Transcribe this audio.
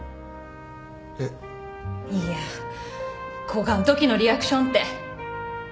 いやこがんときのリアクションって。